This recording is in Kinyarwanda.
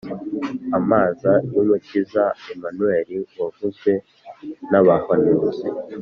amaza y’umukiza, emanueli wavuzwe n’abahanuzi.